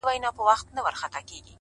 • د وجود غړي د هېواد په هديره كي پراته ـ